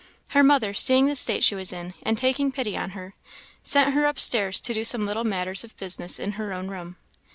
Her mother, seeing the state she was in, and taking pity on her, sent her up stairs to do some little matters of business in her own room.